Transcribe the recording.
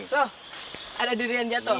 loh ada durian jatuh